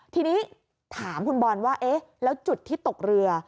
ทีนี้ถามคุณบอลว่าเอ๊ะแล้วจุดที่ตกเรือ